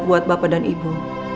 buat bapak dan ibu